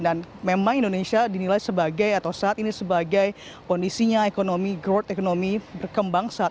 dan memang indonesia dinilai sebagai atau saat ini sebagai kondisinya ekonomi growth ekonomi berkembang